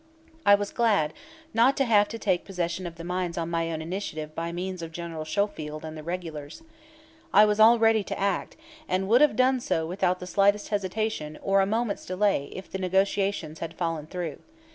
I was glad not to have to take possession of the mines on my own initiative by means of General Schofield and the regulars. I was all ready to act, and would have done so without the slightest hesitation or a moment's delay if the negotiations had fallen through.